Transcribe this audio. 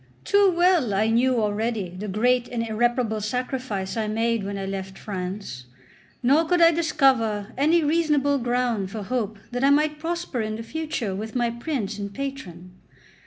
Too well I knew already the great and irreparable sacrifice I made when I left France; nor could I discover any reasonable ground for hope that I might prosper in the future with my prince and patron.